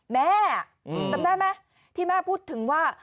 แม่จำได้ไหมที่แม่พูดถึงว่า